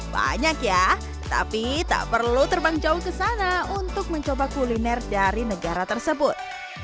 banyak ya tapi tak perlu terbang jauh ke sana untuk mencoba kuliner dari negara tersebut